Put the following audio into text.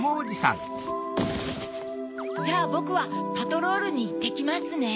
じゃあぼくはパトロールにいってきますね。